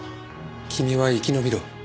君は生き延びろ。